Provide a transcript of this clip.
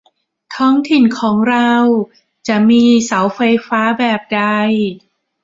ท้องถิ่นของเราจะมีเสาไฟฟ้าแบบใด